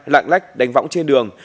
lạng lách đánh võng trên đường